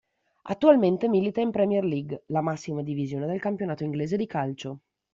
Attualmente milita in Premier League, la massima divisione del campionato inglese di calcio.